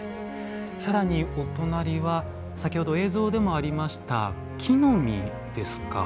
さらに、お隣は先ほど映像でもありました木の実ですか。